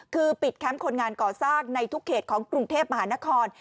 คือปิดแคมป์คนงานก่อสร้างในทุกเขตของกรุงเทพมหานคร